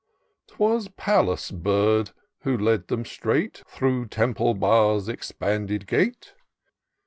Twas Pallas' bird, who led them straight Through Temple Bar's expanded gate.